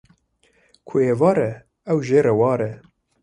Li ku êvar e ew jê re war e.